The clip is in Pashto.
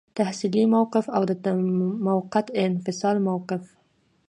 تحصیلي موقف او د موقت انفصال موقف.